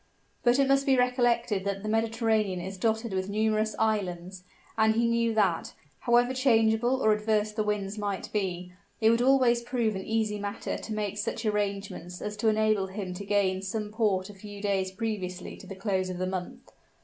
But it must be recollected that the Mediterranean is dotted with numerous islands; and he knew that, however changeable or adverse the winds might be, it would always prove an easy matter to make such arrangements as to enable him to gain some port a few days previously to the close of the month.